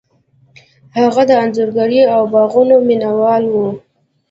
هغه د انځورګرۍ او باغونو مینه وال و.